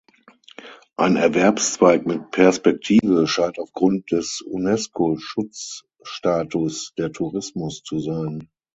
Ein Erwerbszweig mit Perspektive scheint aufgrund des Unesco-Schutzstatus der Tourismus zu sein.